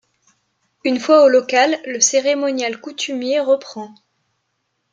Une fois au local, le cérémonial coutumier reprend.